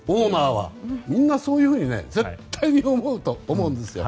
みんなそういうふうに絶対に思うと思うんですよ。